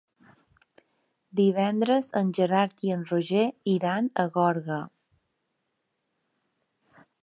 Divendres en Gerard i en Roger iran a Gorga.